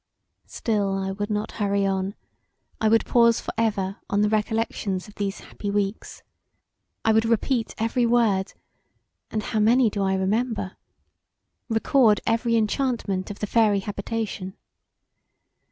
Still I would not hurry on; I would pause for ever on the recollections of these happy weeks; I would repeat every word, and how many do I remember, record every enchantment of the faery habitation.